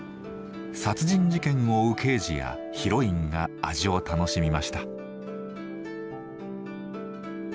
殺人事件を追う刑事やヒロインが味を楽しみました。